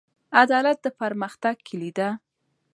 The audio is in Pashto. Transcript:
عدالت د پرمختګ کیلي ده.